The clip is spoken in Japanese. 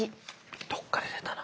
どっかで出たな。